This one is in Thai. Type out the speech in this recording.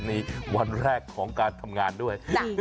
ในวันแรกของการทำงานด้วย